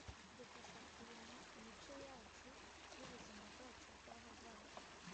zidufasha kurema imico yacu yubuzima bwacu bwahazaza